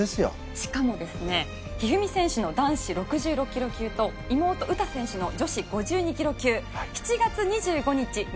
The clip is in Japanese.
しかもですね一二三選手の男子６６キロ級と妹詩選手の女子５２キロ級７月２５日日曜日